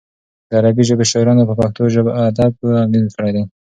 د عربي ژبې شاعرانو په پښتو ادب اغېز کړی دی.